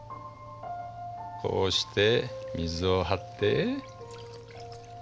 こうして水を張って。